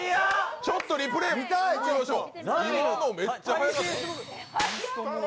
ちょっとリプレー見てみましょう。